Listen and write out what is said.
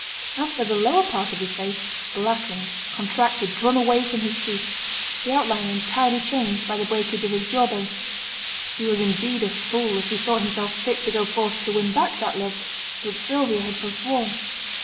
As for the lower part of his face, blackened, contracted, drawn away from his teeth, the outline entirely changed by the breakage of his jaw bone, he was indeed a fool if he thought himself fit to go forth to win back that love which Sylvia had forsworn.